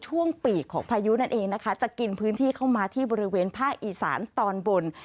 ปีกของพายุนั่นเองนะคะจะกินพื้นที่เข้ามาที่บริเวณภาคอีสานตอนบน